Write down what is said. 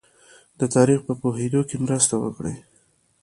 د تاریخ په پوهېدو کې مرسته وکړي.